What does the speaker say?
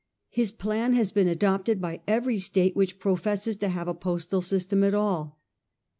His plan has been adopted by every State which professes to have a postal system at all.